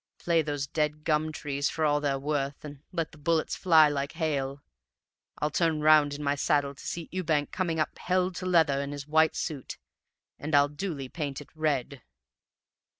Play those dead gum trees for all they're worth, and let the bullets fly like hail. I'll turn round in my saddle to see Ewbank coming up hell to leather in his white suit, and I'll duly paint it red.